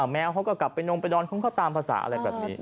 แมวเขาก็กลับไปนงไปนอนของเขาตามภาษาอะไรแบบนี้